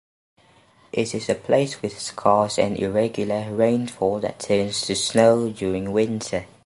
It is a place with scarce and irregular rainfall that turns to snow during winter.